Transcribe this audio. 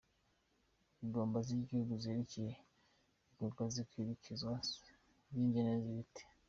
Ingamba z’Igihugu zerekeye ikorwa n’ikwirakwizwa ry’ingemwe z’ibiti;